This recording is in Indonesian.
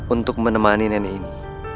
untuk menemani nenek ini